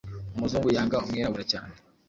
umuzungu yanga umwirabura cyane